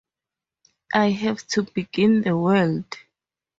I have to begin the world.